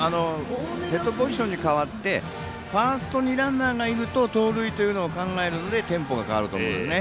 セットポジションに変わって、ファーストにランナーがいると盗塁というのを考えるのでテンポが変わるってことですね。